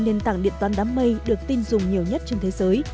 nền tảng điện toán đám mây được tin dùng nhiều nhất trên thế giới